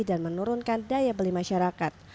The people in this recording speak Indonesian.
dan menurunkan daya beli masyarakat